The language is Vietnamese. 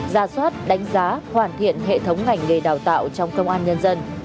ra soát đánh giá hoàn thiện hệ thống ngành nghề đào tạo trong công an nhân dân